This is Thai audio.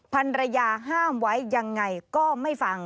ภรรยาห้ามไว้ยังไงก็ไม่ฟัง